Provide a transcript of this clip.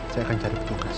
saya akan cari petugas